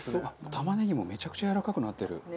玉ねぎもめちゃくちゃやわらかくなってる。